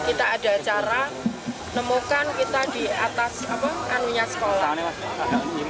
kita ada cara nemukan kita di atas aninya sekolah